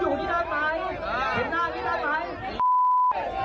อยู่จากนี้ได้ไหม